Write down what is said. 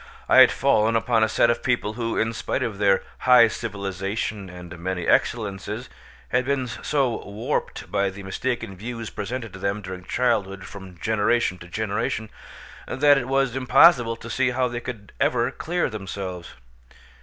I had fallen upon a set of people who, in spite of their high civilisation and many excellences, had been so warped by the mistaken views presented to them during childhood from generation to generation, that it was impossible to see how they could ever clear themselves.